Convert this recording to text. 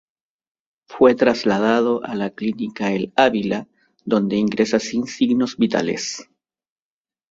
Fue trasladado a la clínica El Ávila, donde ingresa sin signos vitales.